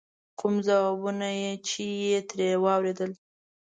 کوم ځوابونه چې یې ترې واورېدل.